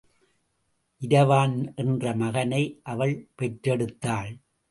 இரவான் என்ற மகனை அவள் பெற்றெடுத்தாள்.